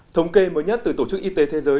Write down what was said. thống kê mới nhất từ tổ chức y tế thế giới